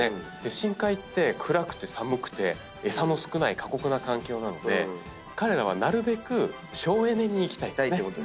深海って暗くて寒くて餌の少ない過酷な環境なので彼らはなるべく省エネに生きたいんですね。